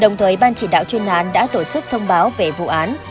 đồng thời ban chỉ đạo chuyên án đã tổ chức thông báo về vụ án